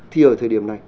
thì ở thời điểm này